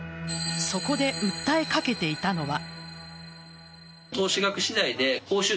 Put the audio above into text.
そこで訴えかけていたのは。